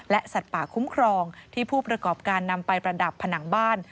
สัตว์ป่าคุ้มครองที่ผู้ประกอบการนำไปประดับผนังบ้าน